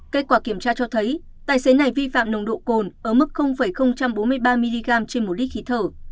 kết quả kiểm tra cho thấy tài xế này vi phạm nồng độ cồn ở mức bốn mươi ba mg trên một lít khí thở